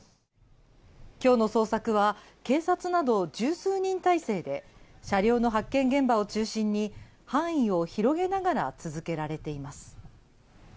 今日の捜索は警察など１０数人体制で車両の発見現場を中心に範囲を広げながら続けられています。